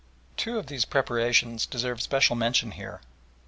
Two of these preparations deserve special mention here.